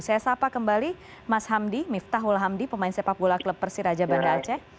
saya sapa kembali mas hamdi miftahul hamdi pemain sepak bola klub persiraja banda aceh